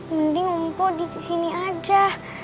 mending mpau disini aja